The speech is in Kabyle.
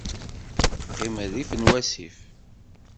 Teqqim rrif n wasif.